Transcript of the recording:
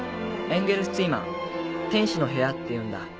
エンゲルスツィマー天使の部屋っていうんだ。